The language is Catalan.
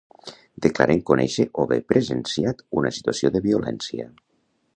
Declaren conèixer o haver presenciat una situació de violència